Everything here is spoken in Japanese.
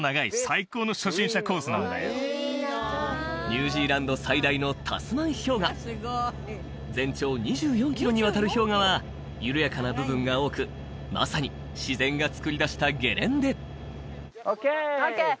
ニュージーランド最大のタスマン氷河全長２４キロにわたる氷河は緩やかな部分が多くまさに自然がつくり出したゲレンデオッケーオッケー